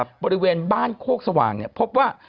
บริเวณบ้านโคกสว่างพบว่า